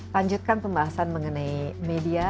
lanjutkan pembahasan mengenai media